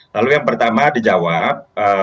lalu yang pertama dijawab